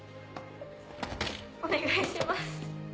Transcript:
お願いします。